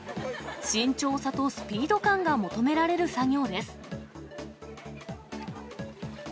慎重さとスピード感が求められる作業です。